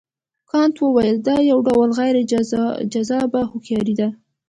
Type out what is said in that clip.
کانت وویل دا یو ډول غیر جذابه هوښیاري ده.